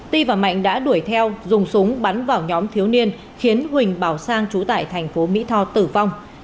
ti và mạnh đã đuổi theo dùng súng bắn vào nhóm thiếu niên khiến huỳnh bảo sang trú tại thành phố mỹ tho tử vong